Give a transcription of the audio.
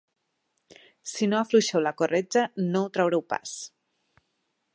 Si no afluixeu la corretja no ho traureu pas.